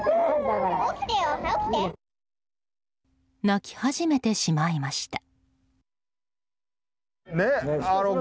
泣き始めてしまいました。